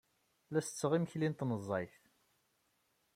La setteɣ imekli n tnezzayt.